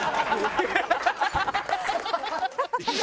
ハハハハ！